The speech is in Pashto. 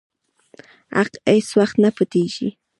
حق هيڅ وخت نه پټيږي.